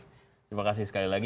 terima kasih sekali lagi